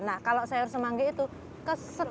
nah kalau sayur semanggi itu keseru